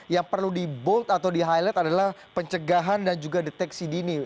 yang perlu di bold atau di highlight adalah pencegahan dan juga deteksi dini